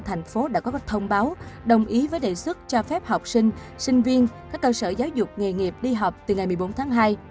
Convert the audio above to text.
thành phố đã có các thông báo đồng ý với đề xuất cho phép học sinh sinh viên các cơ sở giáo dục nghề nghiệp đi học từ ngày một mươi bốn tháng hai